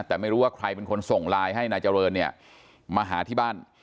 แต่ไม่รู้ว่าใครเป็นคนส่งไลน์ให้นายเจริญเนี่ยมาหาที่บ้าน